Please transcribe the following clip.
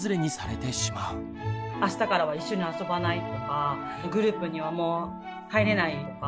あしたからは一緒に遊ばないとかグループにはもう入れないよとか。